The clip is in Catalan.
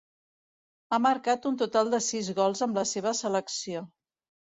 Ha marcat un total de sis gols amb la seva selecció.